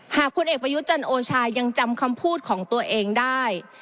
พลเอกประยุจันทร์โอชายังจำคำพูดของตัวเองได้